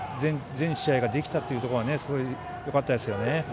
全試合ができたということがすごいよかったですね。